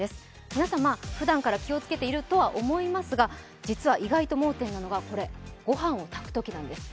皆さんふだんから気をつけているとは思いますが、実は意外と盲点なのが御飯を炊くときなんです。